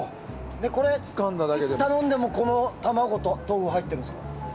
これ、いつ頼んでもこの卵と豆腐は入ってるんですか？